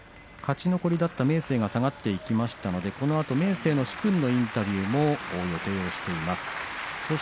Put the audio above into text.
勝ち残りだったんですが下がっていきましたので、このあと明生の殊勲のインタビューも予定しています。